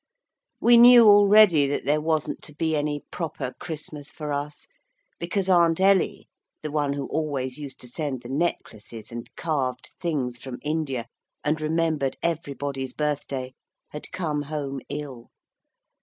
We knew already that there wasn't to be any proper Christmas for us, because Aunt Ellie the one who always used to send the necklaces and carved things from India, and remembered everybody's birthday had come home ill.